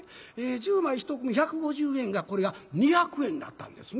１０枚１組１５０円がこれが２００円になったんですね。